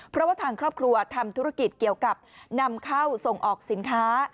เพราะว่าทางครอบครัวทำธุรกิจเกี่ยวกับนำเข้าส่งออกสินค้า